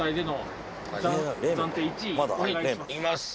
言います。